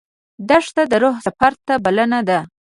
دښته د روح سفر ته بلنه ده.